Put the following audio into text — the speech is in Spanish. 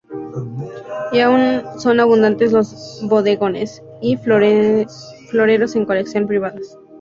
Y aún son abundantes los bodegones y floreros en colecciones privadas.